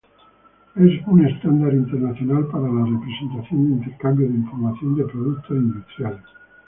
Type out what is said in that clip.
Es un estándar internacional para la representación e intercambio de información de productos industriales.